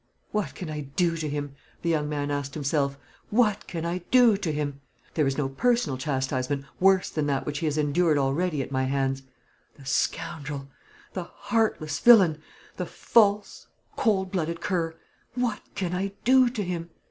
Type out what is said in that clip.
"What can I do to him?" the young man asked himself. "What can I do to him? There is no personal chastisement worse than that which he has endured already at my hands. The scoundrel! the heartless villain! the false, cold blooded cur! What can I do to him?